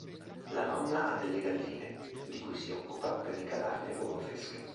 La nonna ha delle galline, di cui si occupa per ricavarne uova fresche.